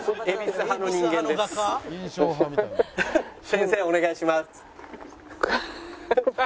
先生お願いします。